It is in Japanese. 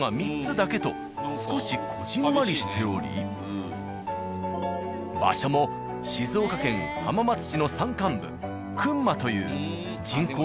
少しこぢんまりしており場所も静岡県浜松市の山間部熊という人口